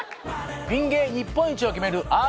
ピン芸日本一を決める